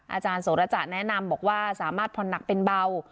อาจารย์โสระจะแนะนำบอกว่าสามารถผ่อนหนักเป็นเบา